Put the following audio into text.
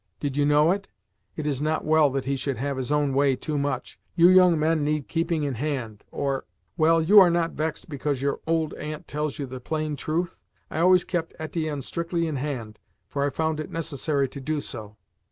Did you know it? It is not well that he should have his own way too much. You young men need keeping in hand, or ! Well, you are not vexed because your old aunt tells you the plain truth? I always kept Etienne strictly in hand, for I found it necessary to do so."